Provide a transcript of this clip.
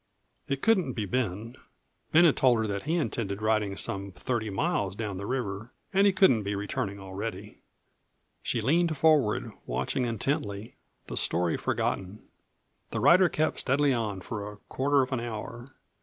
It couldn't be Ben. Ben had told her that he intended riding some thirty miles down the river and he couldn't be returning already. She leaned forward, watching intently, the story forgotten. The rider kept steadily on for a quarter of an hour.